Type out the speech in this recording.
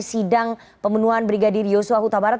sidang pembunuhan brigadir yosua huta barat